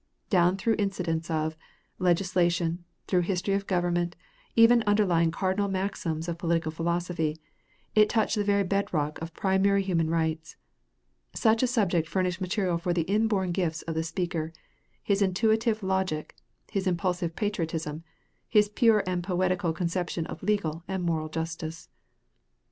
Down through incidents of, legislation, through history of government, even underlying cardinal maxims of political philosophy, it touched the very bedrock of primary human rights. Such a subject furnished material for the inborn gifts of the speaker, his intuitive logic, his impulsive patriotism, his pure and poetical conception of legal and moral justice.